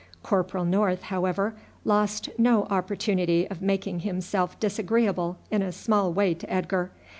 Corporal North, however, lost no opportunity of making himself disagreeable in a small way to Edgar.